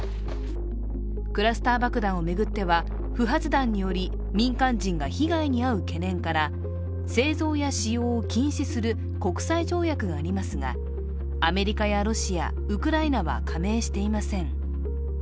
クラスター爆弾を巡っては、不発弾による民間人が被害に遭う懸念から製造や使用を禁止する国際条約がありますが、アメリカやロシア、ウクライナは加盟していません。